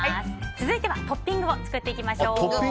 続いてはトッピングを作っていきましょう。